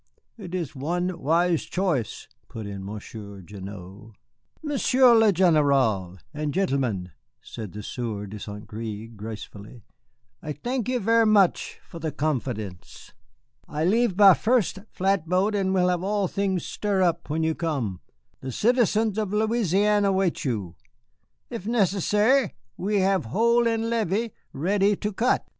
"It is one wise choice," put in Monsieur Gignoux. "Monsieur le général and gentlemen," said the Sieur de St. Gré, gracefully, "I thank you ver' much for the confidence. I leave by first flatboat and will have all things stir up when you come. The citizens of Louisiane await you. If necessair, we have hole in levee ready to cut."